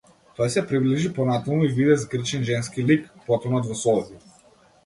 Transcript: Тој се приближи понатаму и виде згрчен женски лик, потонат во солзи.